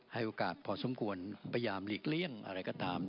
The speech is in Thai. ให้โอกาสพอสมควรพยามลิ่งเรี้ยงอะไรก็ตาม